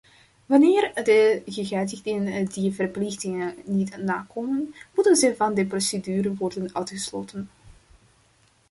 Wanneer de gegadigden die verplichtingen niet nakomen, moeten ze van de procedure worden uitgesloten.